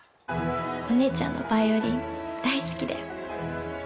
お姉ちゃんのヴァイオリン大好きだよ。